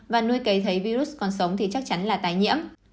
và nuôi cấy thấy virus còn sống thì chắc chắn là tái nhiễm